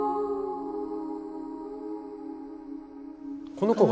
この子が。